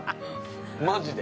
マジで。